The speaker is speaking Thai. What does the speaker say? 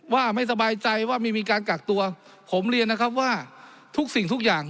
ว่าไม่สบายใจว่าไม่มีการกักตัวผมเรียนนะครับว่าทุกสิ่งทุกอย่าง